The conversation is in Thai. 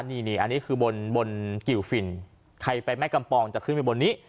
นี่อันนี้คือบนกิวฟินใครไปแม่กำปองจะขึ้นไปบนนี้